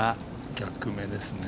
逆目ですね。